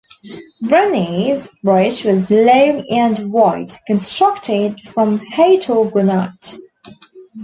Rennie's bridge was long and wide, constructed from Haytor granite.